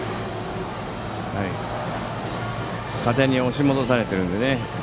風に押し戻されてるのでね。